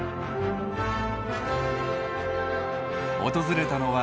訪れたのは夏。